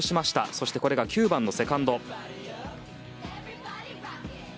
そしてこれが９番のセカンド。